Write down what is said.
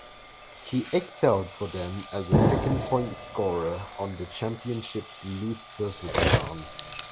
He excelled for them as a second points-scorer on the championship's loose-surface rounds.